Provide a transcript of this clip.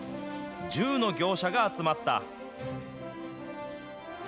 １０の業者が集まった。